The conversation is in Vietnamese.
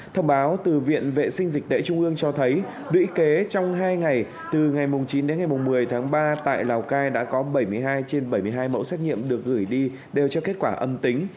thông báo từ viện vệ sinh dịch tễ trung ương cho thấy lũy kế trong hai ngày từ ngày chín đến ngày một mươi tháng ba tại lào cai đã có bảy mươi hai trên bảy mươi hai mẫu xét nghiệm được gửi đi đều cho kết quả âm tính